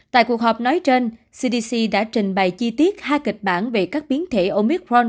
tại cuộc họp nói trên cdc đã trình bày chi tiết hai kịch bản về các biến thể omicron